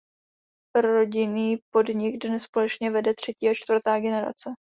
Rodinný podnik dnes společně vede třetí a čtvrtá generace.